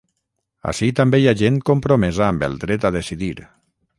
Ací també hi ha gent compromesa amb el dret a decidir.